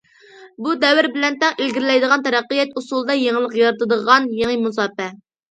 بۇ، دەۋر بىلەن تەڭ ئىلگىرىلەيدىغان، تەرەققىيات ئۇسۇلىدا يېڭىلىق يارىتىدىغان يېڭى مۇساپە.